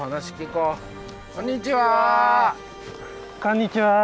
こんにちは。